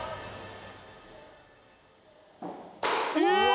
え！